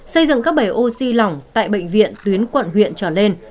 xây dựng các bể oxy lỏng tại bệnh viện tuyến quận huyện trở lên